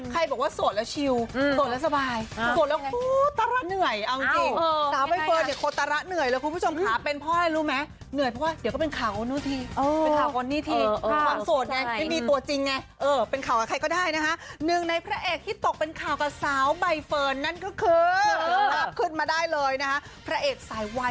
ใครบอกว่าโสดแล้วอาร์มสะบายสบายสบายแล้วตรา